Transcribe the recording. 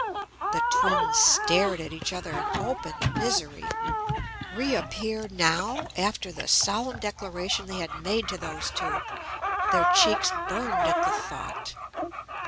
The twins stared at each other in open misery. Reappear now, after the solemn declaration they had made to those two! Their cheeks burned at the thought.